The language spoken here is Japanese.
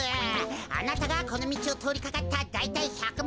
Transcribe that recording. あなたがこのみちをとおりかかっただいたい１００